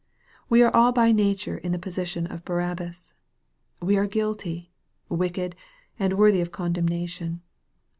We are all by nature in the position of Barabbas. . We are guilty, wicked, and worthy of condemnation.